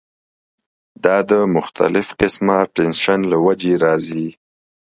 دا د مختلف قسمه ټېنشن له وجې راځی